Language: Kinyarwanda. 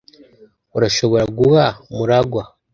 Urashobora guha MuragwA?